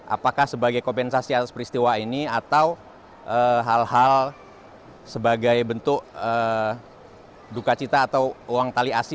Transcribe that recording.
apakah sebagai kompensasi atas peristiwa ini atau hal hal sebagai bentuk duka cita atau uang tali asi